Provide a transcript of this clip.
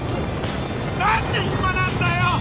何で今なんだよ！